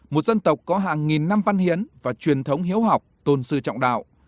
một dân tộc có hàng nghìn năm văn hiến và truyền thống hiếu học tôn sư trọng đạo